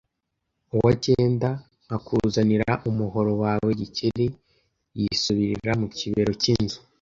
uwa cyenda nkakuzanira umuhoro wawe Gikeli yisubirira mu kibero cy'inzu